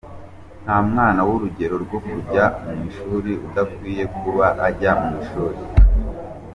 Nta mwana w’urugero rwo kujya mu ishuri udakwiye kuba ajya mu ishuri.